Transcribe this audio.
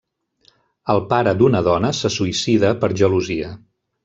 El pare d'una dona se suïcida per gelosia.